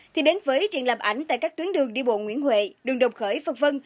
thì đến với truyện làm ảnh tại các tuyến đường đi bộ nguyễn huệ đường đồng khởi phật vân